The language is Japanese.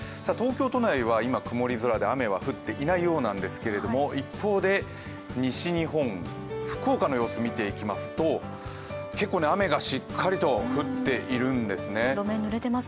東京都内は今、曇り空で雨は降っていないようなんですけど一方で西日本、福岡の様子を見ていきますと結構雨がしっかりと降っているんですね。